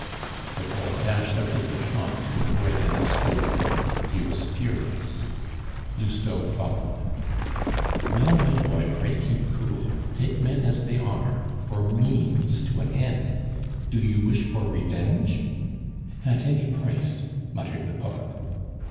The poet dashed out of the shop to avoid an explosion. He was furious. Lousteau followed. "Well, my boy, pray keep cool. Take men as they are for means to an end. Do you wish for revenge?" "At any price," muttered the poet.